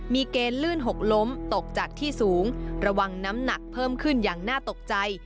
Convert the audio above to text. มีเกณฑ์ลื่นหกล้มตกจากที่สูงระวังน้ำหนักเพิ่มขึ้นอย่างน่าตกใจ